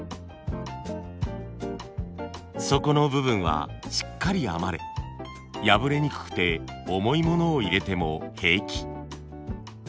底の部分はしっかり編まれ破れにくくて重い物を入れても平気。